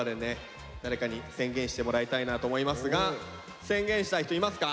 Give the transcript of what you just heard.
誰かに宣言してもらいたいなと思いますが宣言したい人いますか？